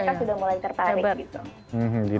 mereka sudah mulai tertarik